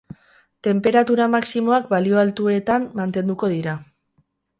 Tenperatura maximoak balio altuetan mantenduko dira.